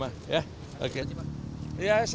oh enggak enggak ada yang terima